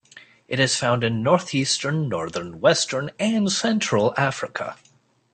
It is found in north-eastern, northern, western and central Africa.